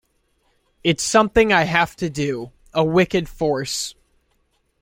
It's something I have to do - a wicked force.